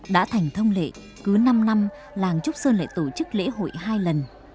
đã thành thông lệ cứ năm năm làng trúc sơn lại tổ chức lễ hội hai lần